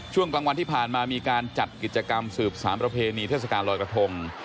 ช่วงกลางวันที่ผ่านมามีการจัดกิจกรรมสืบสารประเพณีเทศกาลลอยกระทง